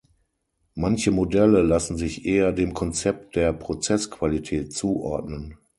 Manche Modelle lassen sich eher dem Konzept der Prozessqualität zuordnen.